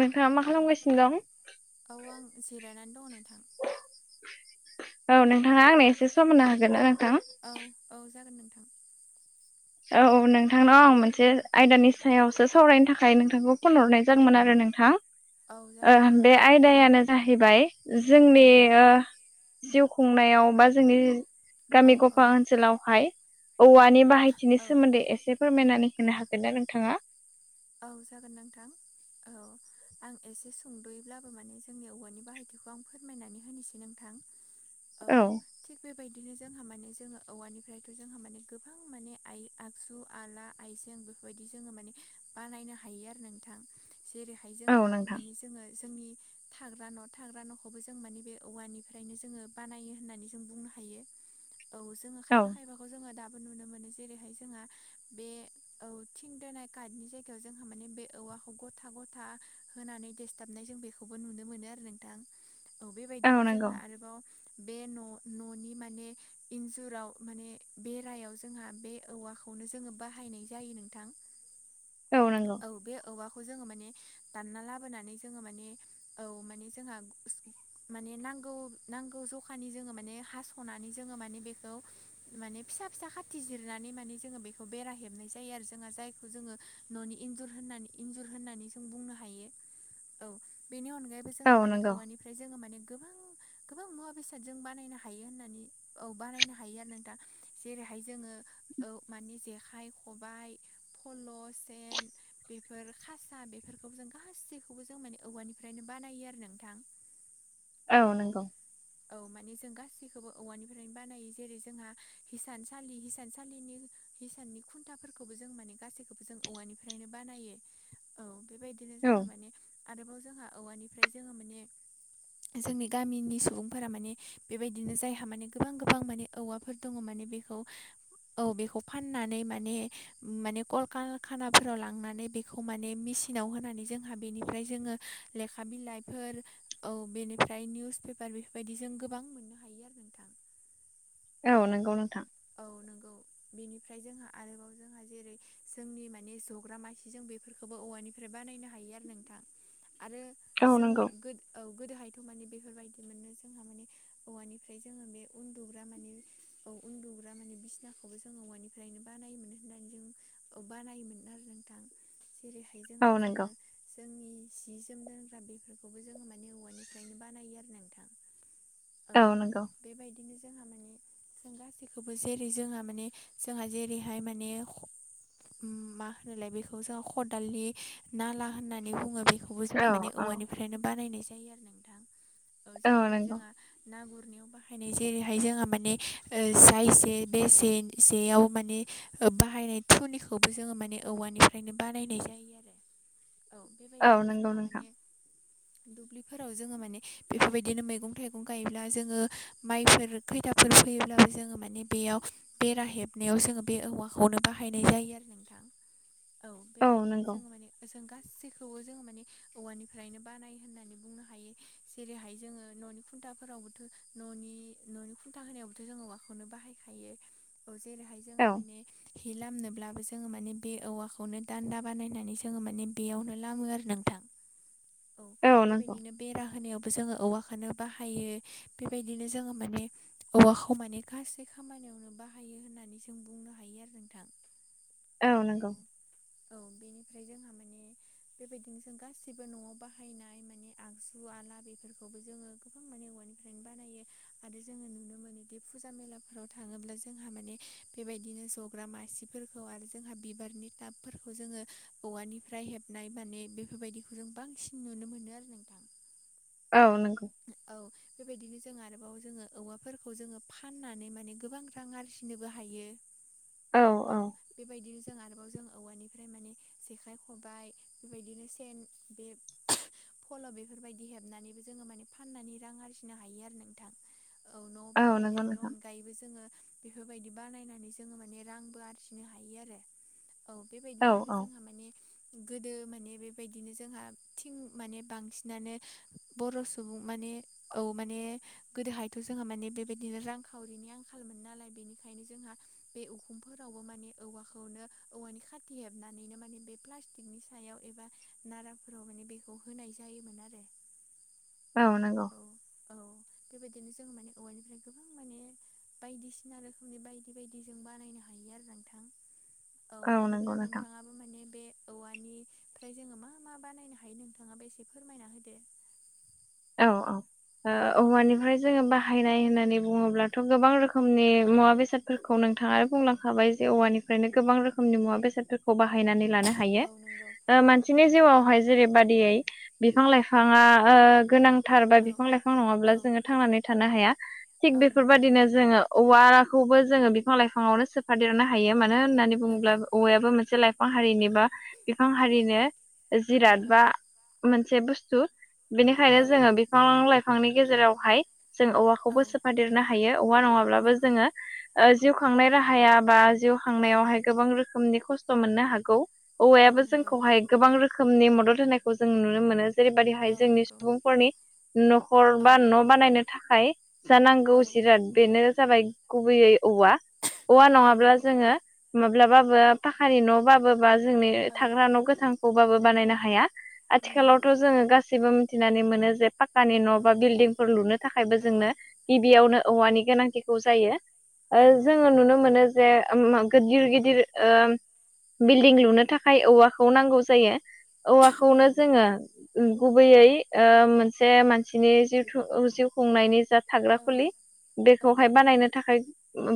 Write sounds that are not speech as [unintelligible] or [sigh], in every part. नोंथाङा मा खालामगासिनो दं औ आं जिरायनानै दं नोंथां औ नोंथाङा आंनो एसे सम औ होनो होगोन ना नोंथां औ औ जागोन नोंथां औ औ नोंथांनाव मोनसे आयदानि सायावसो सावरायनो थाखाय नोंथांखौ फन हरनाय जागोनमोन आरो नों औ जागोन थां नोंथां बे आयदायानो जाहैबाय औ जोंनि जिउ खुंनायाव बा जोंनि औ गामि औ गफा ओनसोलावहाय औवानि बाहाय बिनि औ सोमोन्दै एसे फोरमायनानै औ होनो हागोन ना नोंथाङा औ जागोन नोंथां औ आं एसे संद'यैब्लाबो माने जोंनि औवानि बाहायथिखौ आं फोरमायनानै होनोसै नोंथां औ थिग बेबायदिनो जोंहा माने जोङो औवानिफ्रायथ' जोंहा माने गोबां माने आइ आगजु आला आइजें बेफोरबायदि जोङो माने बानायनो हायो आरो नोंथां जेरैहाय औ जोंहा नोंथां माने जोङो जोंनि थाग्रा न' थाग्रा न'खौबो जों मानि बे औवानिफ्रायनो जोङो बानायो होननानै जों बुंनो हायो औ जोङो औ खायफा खायफा खौ जोङो दाबो नुनो मोनो जेरैहाय जोंहा बे औ थिं दोनाय कार्डनि जाय जोंहा माने बे औवाखौ गथा गथा होनानै देस्थाबनाय जों बेखौबो नुनो मोनो आरो नोंथां औ औ बेबायदिनो नंगौ जोंहा आरोबाव बे न' न'नि माने इन्जुराव माने बे रायाव जोंहा बे औवाखौ खौनो जोङो बाहायनाय जायो नोंथां औ बे औवाखौ जोङो माने दानना लाबोनानै जोङो माने औ माने जोंहा माने नांगौ नांगौ जखानि जोङो माने हास'नानै जोङो माने बेखौ माने फिसा फिसा खाथि जिरनानै माने जोङो बेखौ बेरा हेबनाय जायो आरो जोंहा जायखौ जोङो न'नि इन्जुर होननानै इन्जुर होननानै जों बुंनो हायो औ बेनि अनगायैबो बेखौ औ जोङो माने नंगौ औवानिफ्राय जोङो माने गोबां गोबां मुवा बेसादजों बानायनो हायो होननानै औ बानायनो हायो आरो नों दा जेरैहाय जोङो औ माने जेखाइ खबाइ फल' सेन बेफोर खासा बेफोरखौबो जों गासैखौबो जों माने औवानिफ्रायनो बानायो आरो नोंथां औ नंगौ औ औ माने जों गासैखौबो औवानिफ्रायनो बानायो जेरै जोंहा हिसानसालि हिसानसालिनि हिसाननि खुन्थाफोरखौबो जों माने गासैखौबो जों औवानिफ्रायनो बानायो औ बेबायदिनो औ जोंहा माने आरोबाव जोंहा औवानिफ्राय जोङो माने जोंनि गामिनि सुबुंफोरा माने बेबायदिनो जायहा माने गोबां गोबां माने औवाफोर दङ माने बे औ बेखौ फाननानै माने खानाफोराव लांनानै बेखौ माने मेसिनाव होनानै जोंहा बेनिफ्राय जोङो लेखा बिलाइफोर औ बेनिफ्राय निउस पेपार बेफोरबायदि जों गोबां मोननो हायो आरो नोंथां औ नंगौ नोंथां औ नंगौ बेनिफ्राय जोंहा आरोबाव जों जेरै जोंनि माने जग्रा मासेजों बेफोरखौबो औवानिफ्राय बानायनो हायो आरो नोंथां आरो औ जोङो नंगौ गोद औ गोदोहायथ' माने बेफोरबायदि मोनो जोंहा माने औवानिफ्राय जोङो बे उन्दु ग्रा माने औ उन्दुग्रा माने बिसिनाखौबो जों औवानिफ्रायनो बानायोमोन होननानै जों बानायोमोन आरो नोंथां जेरैहाय जोंहा औ नंगौ जोङो जोंनि सि जोम दोनग्रा बेफोरखौबो जोङो माने औवानिफ्रायनो बानायो आरो नोंथां औ बेबायदिनो जोंहा माने जों गासैखौबो जेरै जोंहा माने जोंहा जेरैहाय माने मा होनलाय बेखौ जों खदालनि नाला होननानै बुङो बेखौ खौखौबो औ जोङो माने औ औवानिफ्रायनो बानायनाय जायो आरो नोंथां औ जेरैहाय जोंहा ना गुरनायाव बाहायनाय जायो जेरैहाय जोंहा माने ओ जा इसे बेसेसेयाव माने बाहायनाय थनिखौबो जोङो माने औवानिफ्रायनो बानायनाय जायो आरो औ औ बेबायदिनो नंगौ जोंहा नोंथां माने दुब्लिफोराव जोङो माने बेफोरबायदिनो मैगं थाइगं गायोब्ला जोङो माइफोर खैदाफोर फैयोब्लाबो जोङो माने बेयाव बेरा हेबनायाव जोङो बे औवाखौनो बाहायनाय जायो आरो नोंथां औ बेबायदिनो जोङो माने जों गासैखौबो जोङो माने औवानिफ्रायनो बानायो होननानै बुंनो हायो जेरैहाय जोङो न'नि खुन्थाफोरावबोथ' न'नि न'नि खुन्था होनायावबोथ' जोंङो औवाखौनो बाहायखायो औ जेरैहाय जोंहा औ माने हि लामनोब्लाबो जोङो माने बे औवाखौनो दान्दा बानायनानै जोङो माने बेयावनो लामो आरो नोंथां औ बेबायदिनो बेरा होनायावबो जोङो औवाखौनो बाहायो बेबायदिनो जोङो माने औवाखौ माने गासै खामानियावनो बाहायो होननानै नानै जों बुंनो हायो आरो नोंथां औ नंगौ औ बेनिफ्राय जोंहा माने बेबायदिनो जों गासिबो न'आव बाहायनाय माने आगजु आला बेफोरखौबो जोङो गोबां माने औवानिफ्रायनो बानायो आरो जोङो नुनो मोनोदि फुजा मेलाफोराव थाङोब्ला जोंहा माने बेबायदिनो जग ग्रा मासिफोरखौ आरो जोंहा बिबारनि टाबफोरखौ जोङो औवानिफ्राय हेब नाय माने बेफोरबायदिखौ जों बांसिन नुनो मोनो आरो नोंथां औ नंगौ औ बेबायदिनो जों आरोबाव जोङो औवाफोरखौ जोङो फाननानै माने गोबां रां आरजिनोबो हायो औ बेबायदिनो जों आरो जों औवानिफ्राय माने जेखाइ खबाय बेबायदिनो सेन बे फल' बेफोरबायदि हेबनानैबो जोङो माने फाननानै रां आरजिनो हायो आरो नोंथां औ न' नंगौ बाहायनायनि नोंथां अनगायैबो जोङो बेफोरबायदि बानायनानै जोङो माने रांबो आरजिनो हायो आरो औ औ बेबायदिनो आरो औ जोंहा माने गोदो माने बेबायदिनो जोंहा थिं माने बांसिनानो बर' सुबुं माने औ माने गोदोहायथ' जोंहा माने बेबायदिनो रांखावरिनि आंखालमोनो नालाय बेनिखायनो जोंहा बे उखुमफोरावबो माने औवाखौनो औवानि खाथि हेबनानैनो माने बे प्लास्टिकनि सायाव एबा नाराफोराव माने बेखौ होनाय जायोमोन आरो औ नंगौ औ औ बेबायदिनो जोंङो माने औवानिफ्राय गोबां माने बायदिसिना रोखोमनि बायदि बायदि जों बानायनो हायो आरो नोंथां औ नंगौ बिदिब्ला नोंथां नोंथाङा माने बे औवानिफ्राय जोङो मा मा बानायनो हायो नोंथाङा बे एसे फोरमायना होदो औ औ औ औवानिफ्राय जोङो बाहायनाय होननानै बुङोब्लाथ' गोबां रोखोमनि मुवा बेसादफोरखौ नोंथाङानो बुंलांखाबाय जे औवानि नो गोबां रोखोमनि मुवा बेसादफोरखौ बायनानै लानो हायो औ नंगौ बिनि जिउआवहाय जेरैबायदियै बिफां लाइफाङा गोनां थार बा औ बिफां लाइफां नङाब्ला औ जोङो थांनानै थानो हाया थिग औ नंगौ बेफोरबायदिनो जोङो औवाखौबो जोङो बिफां लाइफाङावनो सोफादेरनो हायो मानो होननानै नंगौ औवायाबो मोनसे लाइफां हारिनि बा बिफां औ हारिनो जिराद नंगौ बा मोनसे बुस्थु बेनिखायनो औ जोङो बिफां लाइफांनि गेजेरावहाय जों औ औवाखौबो सोफादेरनो हायो औवा नङाब्लाबो नंगौ जोङो जिउ खांनाय राहाया बा जिउ औ खांनायावहाय गोबां रोखोमनि खस्थ' मोननो हागौ औ औवायाबो नंगौ जोंखौहाय गोबां रोखोमनि मदद होनायखौ जों नुनो मोनो औ जेरैबायदिहाय जोंनि नंगौ नि न'खर औ बा न' बानायनो थाखाय जानांगौ औ जिराद बेनो जाबाय गुबैयै औवा औवा औ नङाब्ला नंगौ जोङो माब्लाबाबो पाखानि न' बाब बा जोंनि औ थाग्रा न' गोथां खौबाबो बानायनो हाया नंगौ आथिखालावथ' जोङो गासैबो मिथिनानै मोनो जे फक्कानि न' औ बा बिल्डिंफोर लुनो थाखायबो औ जोंनो गिबियावनो औवानि गोनांथिखौ जायो नंगौ जोङो नुनो मोनो जे गिदिर गिदिर बिल्डिं लुनो थाखाय औवाखौ नांगौ जायो औ औवाखौनो जोङो गुबैयै मोनसे मानसिनि जि जिउ खुंनायनि जा थाग्रा औ खुलि औ बेखौहाय नंगौ बानायनो थाखाय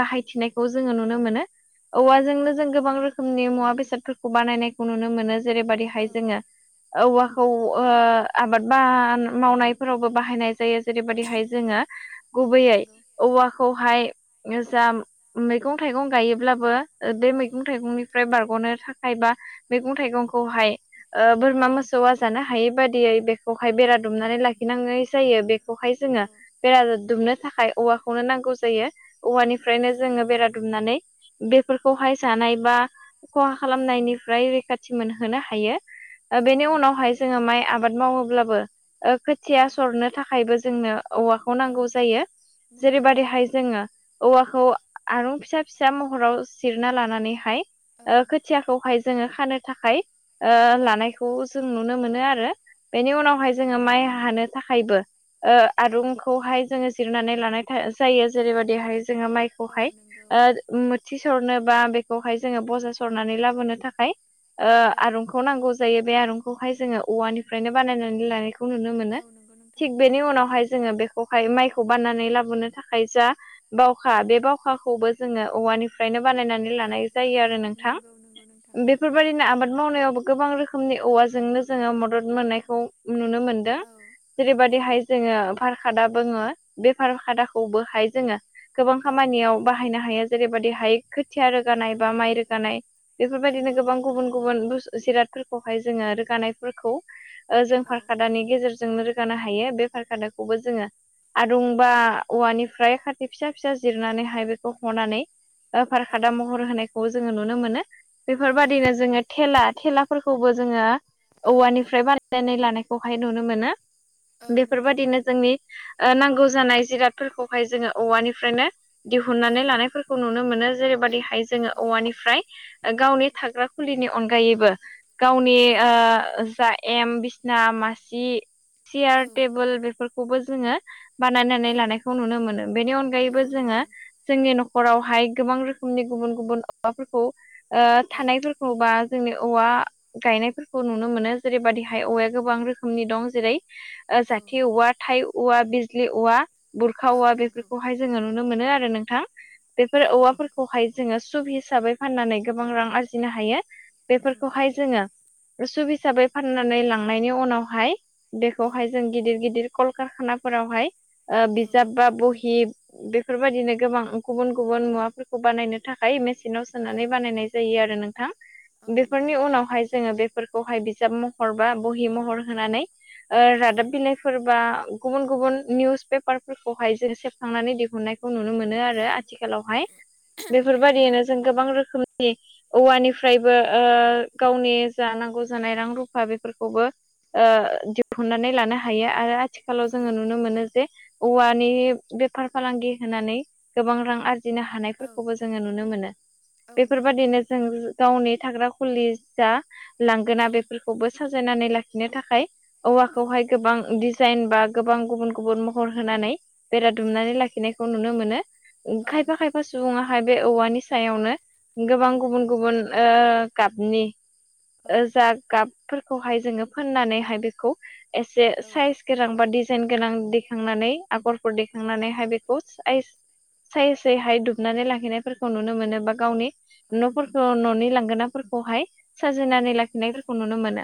बाहायथिनायखौ जोङो नुनो मोनो औ नंगौ औवाजोंनो जों गोबां रोखोमनि मुवा बेसादफोरखौ बानायनायखौ नुनो मोनो जेरैबायदि औ जोङो औवाखौ आबाद मावनायफोरावबो बाहायनाय जायो जेरैबायदिहाय जोङो नंगौ गुबैयै नंगौ औवाखौहाय औ जा मैगं थाइगं गायोब्लाबो बे औ मैगं थाइगंनि फ्राय बारग'नो थाखाय बा मैगं थाइगंखौहाय औ बोरमा मोसौआ जानो हायै बादियै बेखौहाय औ बेरा दुमनानै लाखिनाय जायो बेखौहाय जोङो बेरा दुमनो थाखाय औवाखौनो नांगौ जायो औवानिफ्रायनो नंगौ जोङो बेरा दुमनानै बेफोरखौहाय जानाय बा खहा औ खालामनायनिफ्राय फ्राय रैखाथि मोनहोनो हायो औ नंगौ औ बेनि नंगौ उनावहाय जोङो माइ आबाद मावोब्लाबो खोथिया सरनो थाखायबो जोंनो औवाखौ नांगौ जायो नंगौ जेरैबायदिहाय जोङो औवाखौ आरुं फिसा फिसा महराव सिरना लानानैहाय औ खोथियाखौहाय जोङो खानो थाखाय औ लानायखौ जों नुनो मोनो आरो बेनि औ उनावहाय नंगौ जोङो माइ हानो थाखायबो नोंथां आरुंखौहाय जोङो जिरनानै लानाय जायो औ जेरैबायदिहाय जोङो औ माइखौहाय नंगौ मोथि सरनो बा बेखौहाय जोङो बजा सरनानै लाबोनो थाखाय औ आरुंखौ खौ नांगौ जायो बे आरुंखौहाय जोङो औवानिफ्रायनो बानायनानै लानायखौ नुनो औ मोनो नंगौ नोंथां थिग बेनि थारैनो उनावहाय जोङो बेखौहाय माइखौ बाननानै लाबोनो थाखाय जा बावखा औ बे बाव खाखौबो जोङो औवानिफ्रायनो बानायनानै औ लानाय जायो आरो नोंथां नंगौ नंगौ नोंथां बेफोरबायदिनो आबाद मावनायावबो गोबां रोखोमनि औवाजोंनो जोङो मदद मोननायखौ नुनो मोनदों दा औ जेरैबायदिहाय जोङो भार खादा बुङो बे भार खादाखौबोहाय जोङो गोबां औ खामानियाव बाहायनो हायो जेरैबायदि हाइ खोथिया रोगानाय नंगौ बा माइ रोगानाय बेफोरबायदिनो नंगौ गोबां गुबुन गुबुन बुस जिराद फोरखौहाय जोङो रोगानायफोरखौ जों औ खारखादानि गेजेरजों जोंनो रोगानो हायो बेफार खादाखौबो जोङो आरुं बा औवानिफ्राय खाथि फिसा फिसा जिरनानैहाय बेखौ हनानै औ फारखादा महर होनायखौ जोङो नुनो मोनो औ बेफोरबायदिनो नंगौ जोङो थेला थेलाफोरखौबो जोङो औ औवानिफ्राय बानायायनानै लानायखौहाय नुनो मोनो औ नंगौ बेफोरबायदिनो जोंनि नांगौ जानाय जिरादफोरखौहाय जोङो औवानिफ्रायनो औ दिहुननानै लानायफोरखौ नुनो मोनो जेरैबायदिहाय औ जोङो औवानिफ्राय गावनि थाग्रा खुलिनि अनगायैबो गावनि नंगौ जा एम बिसना मासि सियार औ टेबोल बेफोरखौबो जोङो बानायनानै औ लानायखौ नुनो मोनो बेनि अनगायैबो औ जोङो नंगौ जोंनि न'खरावहाय गोबां रोखोमनि गुबुन गुबुन मुवाफोरखौ औ थानायफोरखौ बा जोंनि औवा गायनायफोरखौ नुनो मोनो जेरैबायदिहाय औवाया गोबां रोखोमनि दं जेरै औ जाथि औवा थाइ औवा बिजलि औवा बुरखा औ औवा नंगौ बेफोरखौहाय जोङो नुनो मोनो आरो नोंथां औ बेफोर औवाफोरखौहाय जोङो सुभ हिसाबै फाननानै गोबां रां आरजिनो हायो नंगौ बेफोरखौहाय जोङो सुब हिसाबै फाननानै लांनायनि उनावहाय औ बेखौहाय जों गिदिर गिदिर कलकारखानाफोरावहाय औ बिजाब बा बहि बेफोरबायदिनो गोबां गुबुन गुबुन मुवाफोरखौ बानायनो थाखाय मेचिनाव औ सोनानै बानायनाय जायो आरो नोंथां औ नंगौ बेफोरनि उनावहाय जोङो बेफोरखौहाय बिजाब महर बा बहि महर होनानै औ रादाब बिलाइ फोरबा गुबुन गुबुन निउस पेपारफोरखौहाय जों सेबखांनानै दिहुननाय खौ नुनो मोनो औ आरो आथिखालावहाय औ नंगौ बेफोरबायदिनो जों गोबां रोखोमनि औवानिफ्रायबो गावनि जा नांगौ जानाय रां रुफा बेफोरखौबो दिहुननानै लानो हायो आरो आथिखालाव जोङो नंगौ नुनो मोनो जे औवानि बेफार फालांगि होनानै गोबां रां आरजि बिनो औ हानायफोरखौबो जोङो नुनो मोनो औ नंगौ बेफोरबायदिनो नोंथां जों गावनि थाग्रा खुलि जा लांगोना औ बेफोर खौबो साजायनानै लाखिनो थाखाय औ औवाखौहाय गोबां डिजाइन बा गोबां गुबुन गुबुन महर होनानै बेरा औ दुमनानै लाखिनाय खौ नुनो मोनो खायफा नंगौ खायफा सुबुङाहाय बे औवानि सायावनो गोबां औ गुबुन गुबुन ओ गाबनि जा गाब फोरखौहाय जोङो फोननानैहाय बेखौ एसे साइज गोनां बा डिजाइन गोनां दैखांनानै आगरफोर औ दैेखांनानैहाय बे साइज साइजैहाय दुबनानै लाखिनायफोरखौ नुनो मोनो बा गावनि औ न'फोरखौ न'नि लांगोनाफोरखौहाय औ साजिनानै लाखिनायफोरखौ नुनो मोनो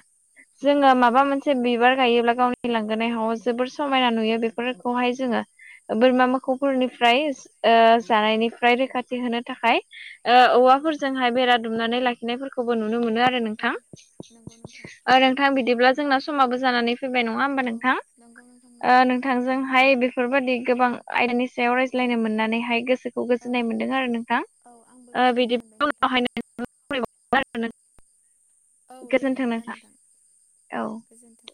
औ जोङो माबा मोनसे बिबार गायोब्ला गावनि लांगोनायाव जोबोर समायना नुयो बेफोरखौहाय जोङो बोरमा मोखौफोरनिफ्राय जानायनिफ्राय रैखाथि होनो थाखाय औ औवाफोरजोंहाय बेरा दुमनानै लाखिनायफोरखौबो नुनो मोनो आरो नोंथां नंगौ नोंथां नोंथां बिदिब्ला जोंना समाबो जानानै फैबाय नङा होमबा औ नंगौ नोंथां नंगौ नोंथांजोंहाय बेफोरबायदि गोबां आयदानि सायाव औ रायज्लायनो मोननानैहाय गोसोखौ औ गोजोननाय मोन्दों आरो नोंथां औ आंबो ओ गोजोननाय मोनबाय बिदिब्ला नोंथां [unintelligible] औ दे बिदिब्ला नोंथां औ गोजोनथों